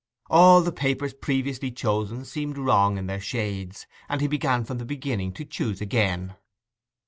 All the papers previously chosen seemed wrong in their shades, and he began from the beginning to choose again.